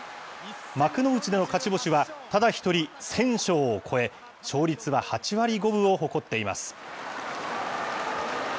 幕内での勝ち星はただ一人１０００勝を超え、勝率は８割５分を誇っています。